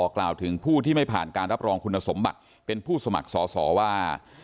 กล่าวถึงผู้ที่ไม่ผ่านการรับรองคุณสมบัติเป็นผู้สมัครสอสอว่า